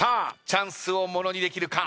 チャンスを物にできるか。